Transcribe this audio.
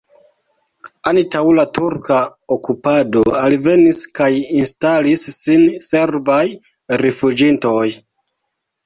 Antaŭ la turka okupado alvenis kaj instalis sin serbaj rifuĝintoj.